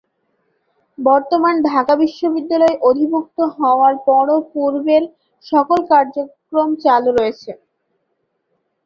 বর্তমানে ঢাকা বিশ্ববিদ্যালয়ের অধিভুক্ত হওয়ার পরও পূর্বের সকল কার্যক্রম চালু রয়েছে।